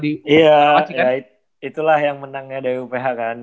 iya itulah yang menangnya di uph kan